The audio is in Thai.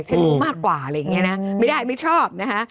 จะรู้มากกว่าไรงี้ไม่ได้ไม่ชอบนะฮะ